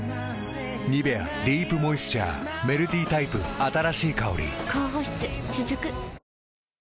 「ニベアディープモイスチャー」メルティタイプ新しい香り高保湿続く。